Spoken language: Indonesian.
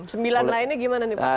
sembilan lainnya gimana nih pak